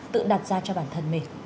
tự đặt ra cho bản thân mình